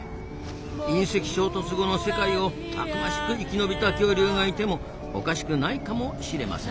隕石衝突後の世界をたくましく生き延びた恐竜がいてもおかしくないかもしれませんなあ。